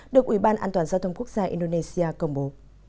được ủy ban an toàn giao thông quốc gia indonesia công bố